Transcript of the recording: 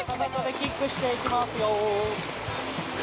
キックしていきますよ。